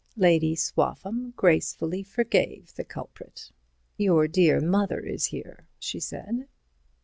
Lady Swaffham gracefully forgave the culprit. "Your dear mother is here," she said.